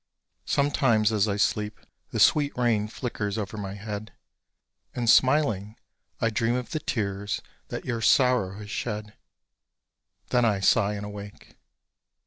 Sometimes as I sleep, the sweet rain flickers over my head, And smiling, I dream of the tears that your sorrow has shed; Then I sigh and awake.